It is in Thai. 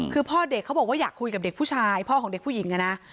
คือพ่อเด็กเขาบอกว่าอยากคุยกับเด็กผู้ชายพ่อของเด็กผู้หญิงนะ